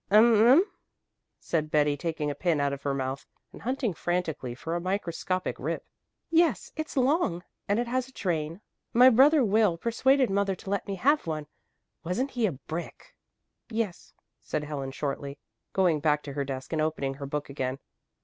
"Um um," said Betty taking a pin out of her mouth and hunting frantically for a microscopic rip. "Yes, it's long, and it has a train. My brother Will persuaded mother to let me have one. Wasn't he a brick?" "Yes," said Helen shortly, going back to her desk and opening her book again.